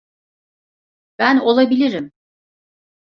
Ben olabilirim.